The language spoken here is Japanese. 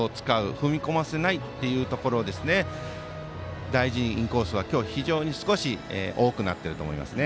踏み込ませないというところを大事にインコースは今日非常に少し多くなっていると思いますね。